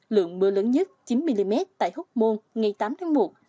lượng mưa lớn nhất chín mm tại hốc môn ngày tám tháng một